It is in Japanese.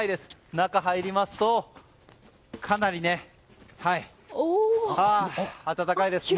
中に入りますとかなり暖かいです。